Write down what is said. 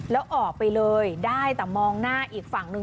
แล้วออกไปเลยได้แต่มองหน้าอีกฝั่งหนึ่ง